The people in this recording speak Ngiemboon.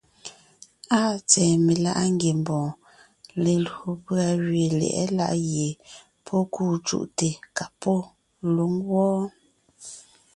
Áa tsɛ̀ɛ meláʼa ngiembɔɔn, lelÿò pʉ̀a gẅiin lyɛ̌ʼɛ láʼ gie pɔ́ kûu cúʼte ka pɔ́ lwǒŋ wɔ́ɔ.